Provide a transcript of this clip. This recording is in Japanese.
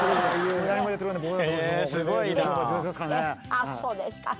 あっそうですか。